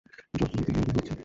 Drop জোনের দিকে অগ্রসর হচ্ছে।